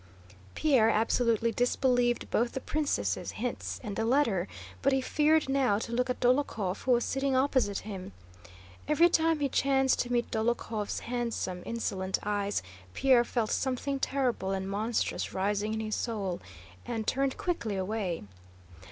Pierre absolutely disbelieved both the princess' hints and the letter, but he feared now to look at Dólokhov, who was sitting opposite him. Every time he chanced to meet Dólokhov's handsome insolent eyes, Pierre felt something terrible and monstrous rising in his soul and turned quickly away.